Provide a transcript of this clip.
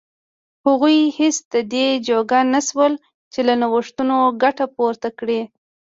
هغوی هېڅ د دې جوګه نه شول چې له نوښتونو ګټه پورته کړي.